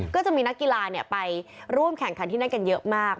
ก็จะมีนักกีฬาไปร่วมแข่งขันที่นั่นกันเยอะมาก